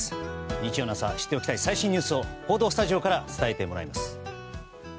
日曜の朝知っておきたい最新ニュースを報道スタジオから伝えてもらいます。